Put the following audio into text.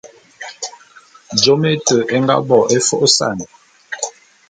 Jôm éte é nga bo é fô'ôsan.